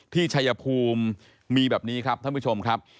ชัยภูมิมีแบบนี้ครับท่านผู้ชมครับ